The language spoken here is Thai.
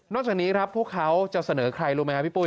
จากนี้ครับพวกเขาจะเสนอใครรู้ไหมครับพี่ปุ้ย